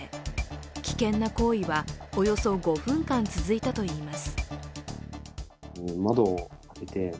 危険な行為はおよそ５分間続いたといいます。